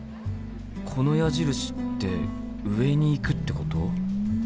この矢印って上に行くってこと？